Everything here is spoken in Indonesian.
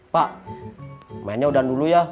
pak mainnya udah dulu ya